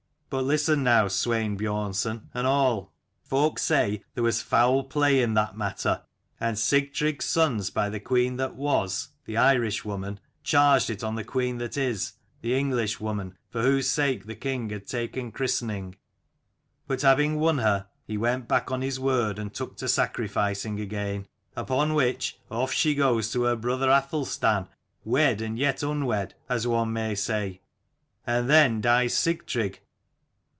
But listen now, Swein Biornson and all. 39 "Folk said there was foul play in that matter: and Sigtrygg's sons by the queen that was, the Irish woman, charged it on the queen that is, the English woman for whose sake the king had taken christening: but having won her, he went back on his word and took to sacrificing again. Upon which off she goes to her brother Athelstan, wed and yet unwed, as one may say. And then dies Sigtrygg.